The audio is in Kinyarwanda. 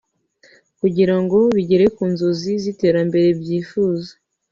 kugira ngo bigere ku nzozi z’iterambere byifuza